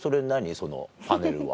そのパネルは。